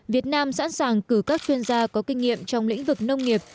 việt nam sẵn sàng cử các chuyên gia có kinh nghiệm trong lĩnh vực nông nghiệp